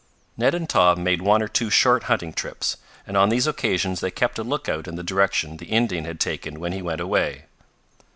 Ned and Tom made one or two short hunting trips, and on these occasions they kept a lookout in the direction the Indian had taken when he went away.